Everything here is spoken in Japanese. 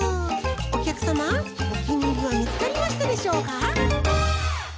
おきゃくさまおきにいりはみつかりましたでしょうか？